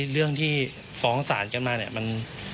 เรื่องที่ฟ้องศาลกันมาเนี่ยมัน